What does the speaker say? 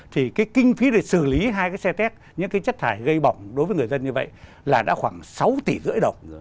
thì cái kinh phí để xử lý hai cái xe tét những cái chất thải gây bỏng đối với người dân như vậy là đã khoảng sáu tỷ rưỡi đồng